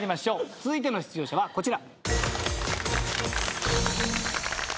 続いての出場者はこちら。